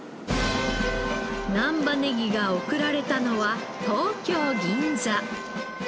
難波ネギが送られたのは東京銀座。